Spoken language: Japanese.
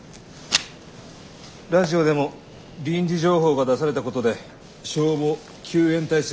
ラジオでも臨時情報が出されたことで消防救援体制は遅れると言ってた。